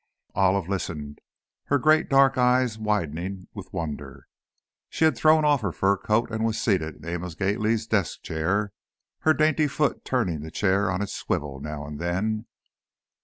Olive listened, her great, dark eyes widening with wonder. She had thrown off her fur coat and was seated in Amos Gately's desk chair, her dainty foot turning the chair on its swivel now and then.